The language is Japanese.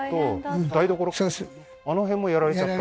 あの辺もやられちゃった？